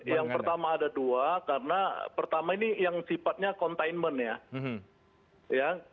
yang pertama ada dua karena pertama ini yang sifatnya containment ya